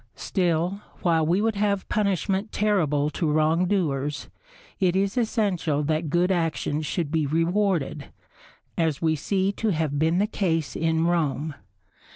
Still, while we would have punishment terrible to wrongdoers, it is essential that good actions should be rewarded, as we see to have been the case in Rome.